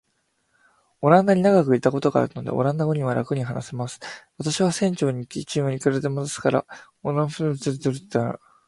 オランダに長らくいたことがあるので、オランダ語はらくに話せます。私は船長に、船賃はいくらでも出すから、オランダまで乗せて行ってほしいと頼みました。